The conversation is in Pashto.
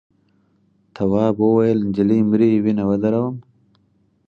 تواب وویل نجلۍ مري وینه ودروم.